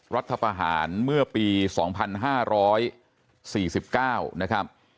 รัฐประหารเมื่อปี๒๕๔๙นะครับ